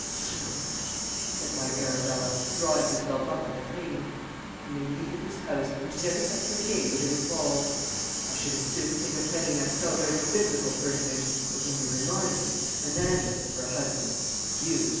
"'Sir,' said my Arabella, drawing herself up like a queen, 'you may leave this house, and never set foot again within its walls. I should as soon think of claiming that celebrated biblical personage, of whom you remind me, Ananias, for a husband as you.